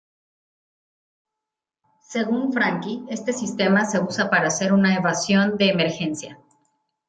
Según Franky, este sistema se usa para hacer una evasión de emergencia.